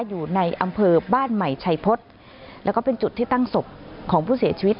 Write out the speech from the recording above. อยู่ในอำเภอบ้านใหม่ชัยพฤษแล้วก็เป็นจุดที่ตั้งศพของผู้เสียชีวิต